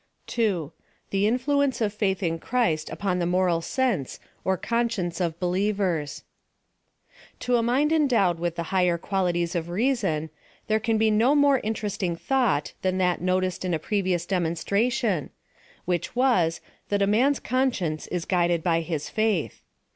2. The influence of faith in christ upon the moral sf.nse, or conscience of believers. To a mind endowed with the higher qualities of reason, there can be no more interesting thought than that noticed in a previous demonstration; which was, that a man's conscience is guided by his faith.